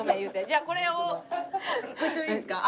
じゃあこれをご一緒でいいですか？